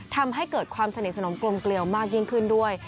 ทำให้เกิดความสนิทสนมกลมเกลียวมากยิ่งขึ้นด้วย